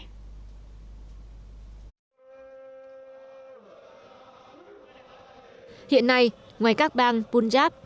hiện nay ngoài các bang punjab và haryana nông dân từ các vùng khác của ấn độ như uttar pradesh